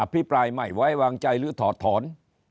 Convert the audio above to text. พี่ปรายไม่ไว้วางใจหรือถอดถอน